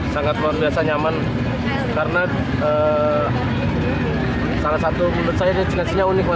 sangat luar biasa nyaman karena salah satu menurut saya destinasinya unik